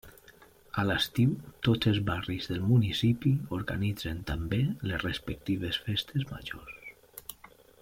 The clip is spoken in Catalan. A l'estiu tots els barris del municipi organitzen també les respectives festes majors.